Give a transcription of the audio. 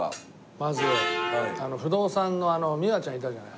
まず不動産の美和ちゃんいたじゃない。